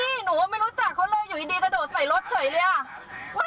หนูว่าไม่รู้จักเขาเลยอยู่ดีกระโดดใส่รถเฉยเลยอ่ะ